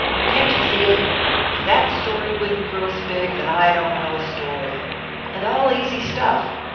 Can't you see it? If that story wouldn't gross big then I don't know a story. And all easy stuff.